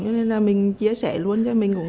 cho nên là mình chia sẻ luôn cho mình cũng